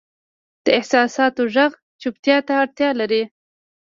د احساساتو ږغ چوپتیا ته اړتیا لري.